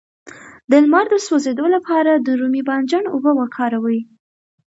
د لمر د سوځیدو لپاره د رومي بانجان اوبه وکاروئ